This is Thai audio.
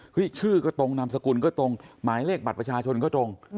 ชื่อก็ตรงนามสกุลก็ตรงหมายเลขบัตรประชาชนก็ตรง